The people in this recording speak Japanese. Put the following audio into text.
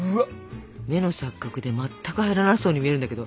目の錯覚で全く入らなそうに見えるんだけど。